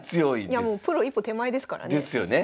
いやもうプロ一歩手前ですからね。ですよね。